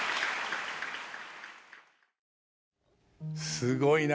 すごいな。